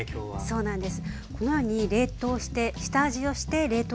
そうなんです。